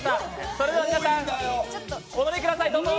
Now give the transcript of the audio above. それでは皆さん、お飲みください、どうぞ！